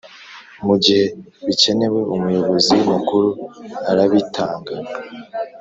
Mu gihe bikenewe Umuyobozi Mukuru arabitanga